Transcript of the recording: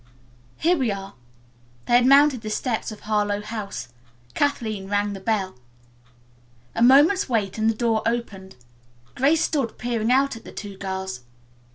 "Here we are." They had mounted the steps of Harlowe House. Kathleen rang the bell. A moment's wait and the door opened. Grace stood peering out at the two girls.